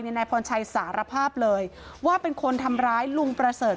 นายพรชัยสารภาพเลยว่าเป็นคนทำร้ายลุงประเสริฐ